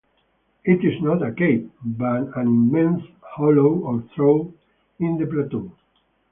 It is not a cave, but an immense hollow or trough in the plateau.